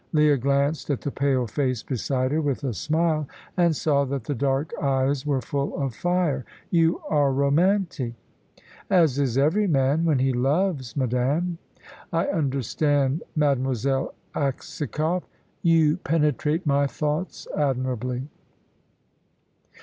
Leah glanced at the pale face beside her with a smile, and saw that the dark eyes were full of fire, "You are romantic." "As is every man, when he loves, madame." "I understand Mademoiselle Aksakoff." "You penetrate my thoughts admirably."